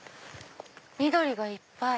緑がいっぱい！